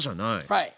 はい。